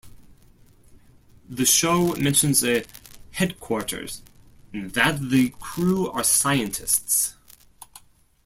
The show mentions a "headquarters" and that the crew are scientists.